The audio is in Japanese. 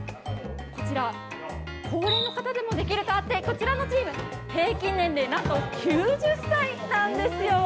こちら、高齢の方でもできるとあって、こちらのチーム、平均年齢、なんと９０歳なんですよ。